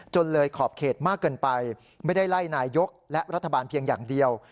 เลยขอบเขตมากเกินไปไม่ได้ไล่นายกและรัฐบาลเพียงอย่างเดียว